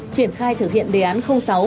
triển khai thực hiện đề án sáu